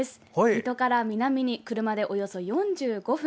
水戸から南に車でおよそ４５分。